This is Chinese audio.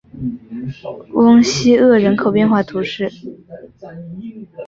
翁西厄人口变化图示